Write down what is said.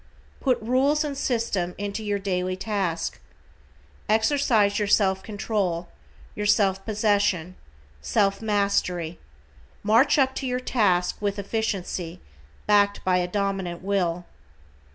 Put rules and system into your daily task. Exercise your self control, your self possession, self mastery, march up to your task with efficiency backed up by a dominant will.